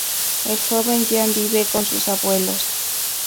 El joven Jean vive con sus abuelos.